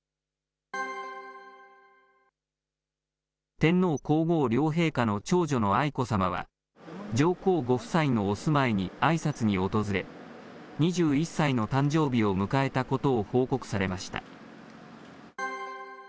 天皇皇后両陛下の長女の愛子さまは、上皇ご夫妻のお住まいにあいさつに訪れ、２１歳の誕生日を迎えたことを報告されました。